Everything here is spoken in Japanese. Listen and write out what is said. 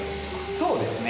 そうですね。